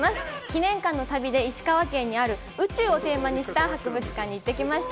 記念館の旅で石川県にある宇宙をテーマにした博物館に行ってきました。